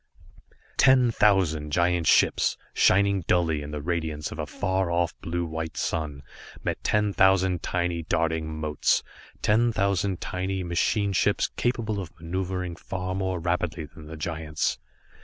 Ten thousand giant ships, shining dully in the radiance of a far off blue white sun, met ten thousand tiny, darting motes, ten thousand tiny machine ships capable of maneuvering far more rapidly than the giants.